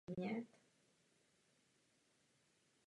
Ten obsahuje dvě písně z této desky.